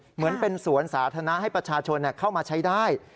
เหมือนเป็นสวนสาธารณะให้ประชาชนเข้ามาใช้ได้